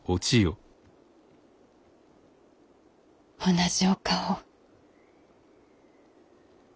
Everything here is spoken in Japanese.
同じお顔。